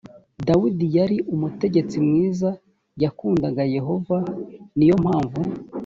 dawidi yari umutegetsi mwiza yakundaga yehova ni yo mpamvu